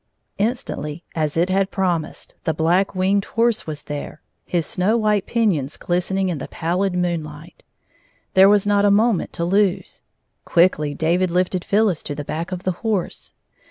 Instantly, as it had promised, the Black Winged Horse was there, his snow white pinions ghsten ing in the pallid moonlight. There was not a moment to lose. Quickly David lifted Phyllis to the back of the horse.